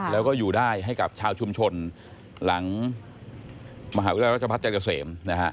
แล้วก็อยู่ได้ให้กับชาวชุมชนหลังมหาวิทยาลัยราชภัฐจักรเสม